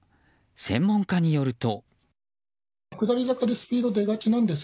専門家によると。